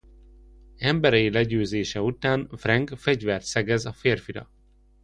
Emberei legyőzése után Frank fegyvert szegez a férfira.